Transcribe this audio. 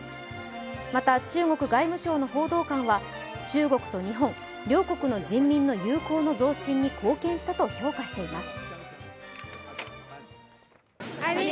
また、中国外務省の報道官は、中国と日本、両国の人民の友好の増進に貢献したと評価しています。